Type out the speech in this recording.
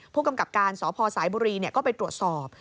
ผู้กำกับการสพสายบุรีก็ไปตรวจสอบ